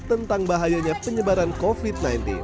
tentang bahayanya penyebaran covid sembilan belas